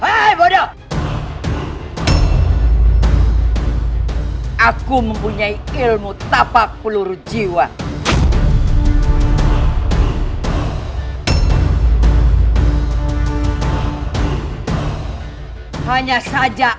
selagi kamu berdiri di tempat saya rancangan pascal tidak akan namanya